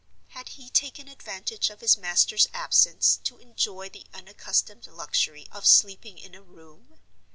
Had he taken advantage of his master's absence to enjoy the unaccustomed luxury of sleeping in a room?